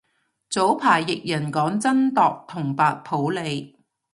早排譯人講真鐸同白普理